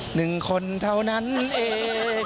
หนึ่งคนเท่านั้นเอง